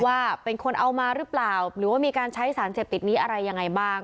ว่าเป็นคนเอามาหรือเปล่าหรือว่ามีการใช้สารเสพติดนี้อะไรยังไงบ้าง